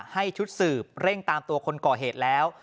ให้ชุดสืบเร่งตามตัวคนก่อเหตุแล้ว